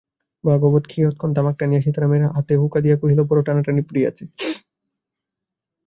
ভাগবত কিয়ৎক্ষণ তামাক টানিয়া সীতারামের হাতে হুঁকা দিয়া কহিল, বড়ো টানাটানি পড়িয়াছে।